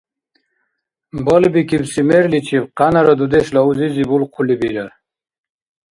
Балбикибси мерличиб къянара дудешла узизи булхъули бирар.